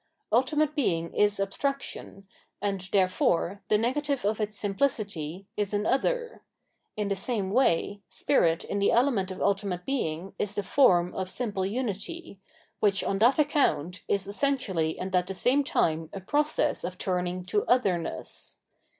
Ulti mate Being is abstraction, and, therefore, the negative of its simpKcity, is an other : in the same way. Spirit in the element of ultimate Being is the form of simple umty, which, on that account, is essentially and at the same time a process of turning to otherness.